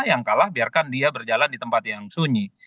yang kalah biarkan dia berjalan di tempat yang sunyi